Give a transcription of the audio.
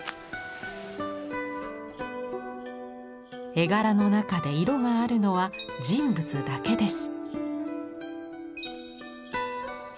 絵柄の中で色があるのは人物だけです。